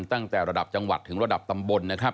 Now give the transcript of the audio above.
ตั้งแต่ระดับจังหวัดถึงระดับตำบลนะครับ